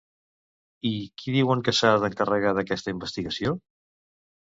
I qui diuen que s'ha d'encarregar d'aquesta investigació?